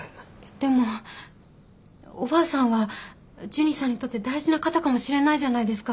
でもおばあさんはジュニさんにとって大事な方かもしれないじゃないですか。